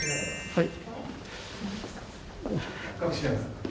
はい。